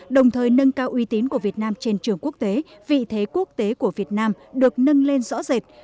đồng thời nâng cao uy tín của việt nam trên trường quốc tế vị thế quốc tế của việt nam được nâng lên rõ rệt